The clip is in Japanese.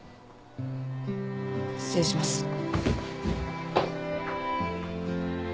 失礼します。